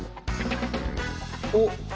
おっ！